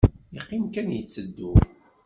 Yeqqim kan yetteddu.